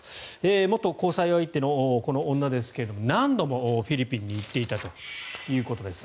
元交際相手のこの女ですが何度もフィリピンに行っていたということです。